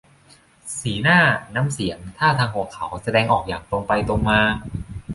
สีหน้า น้ำเสียง ท่าทางของเขาแสดงออกอย่างตรงไปตรงมา